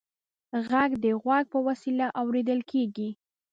غږ د غوږ په وسیله اورېدل کېږي.